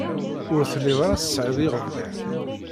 Ur tellid ara tesɛid iɣeblan.